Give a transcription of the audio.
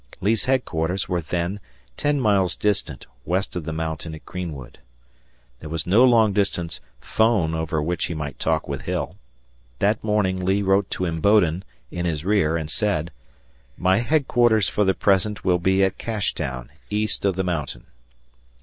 Lee's headquarters were then ten miles distant west of the mountain at Greenwood. There was no long distance 'phone over which he might talk with Hill. That morning Lee wrote to Imboden, in his rear, and said, "My headquarters for the present will be at Cashtown, east of the mountain."